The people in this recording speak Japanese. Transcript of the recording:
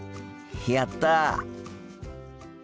やった。